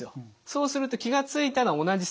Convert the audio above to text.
そうすると気が付いたら同じ姿勢で。